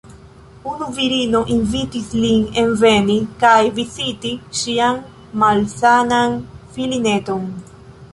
Unu virino invitis lin enveni kaj viziti ŝian malsanan filineton.